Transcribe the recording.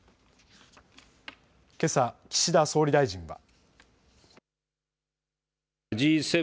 けさ、岸田総理大臣は。